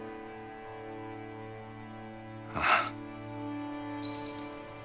ああ。